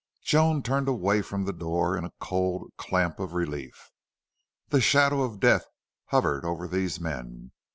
9 Joan turned away from the door in a cold clamp of relief. The shadow of death hovered over these men.